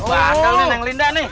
wah kau neneng linda nih